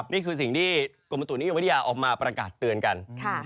นี่คือสิ่งที่กรมบุตุนิยมวิทยาออกมาประกาศเตือนกัน